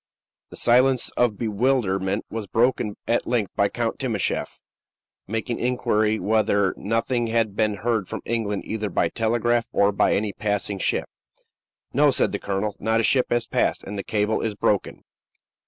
The silence of bewilderment was broken at length by Count Timascheff making inquiry whether nothing had been heard from England, either by telegraph or by any passing ship. "No," said the colonel; "not a ship has passed; and the cable is broken."